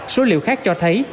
số liệu khác cho thấy